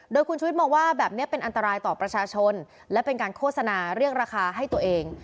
โดยคุณชุวิตมองว่าแบบนี้เป็นอันตรายต่อประชาชนและเป็นการโฆษณาเรียกราคาให้ตัวเอง